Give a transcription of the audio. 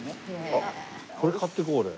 あっこれ買っていこう俺。